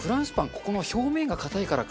ここの表面が硬いからか。